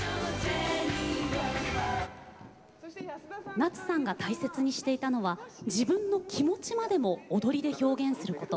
夏さんが大切にしていたのは自分の気持ちまでも踊りで表現すること。